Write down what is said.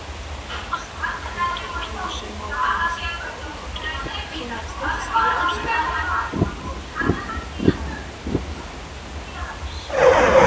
ახალ დოკუმენტურ ფილმში, მორგან სპურლოკი ფილმებსა და სერიალებში რეკლამის განთავსებაზე მოგვითხრობს.